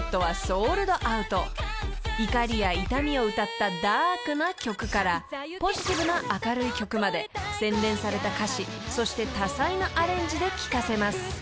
［怒りや痛みを歌ったダークな曲からポジティブな明るい曲まで洗練された歌詞そして多彩なアレンジで聞かせます］